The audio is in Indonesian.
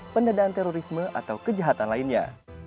pendadaan terorisme atau kejahatan lainnya